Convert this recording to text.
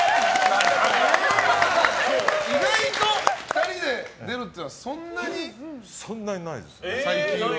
意外と２人で出るってそんなにないです。